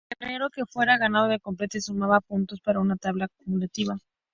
El guerrero que fuera ganando las competencias, sumaba puntos para una tabla acumulativa.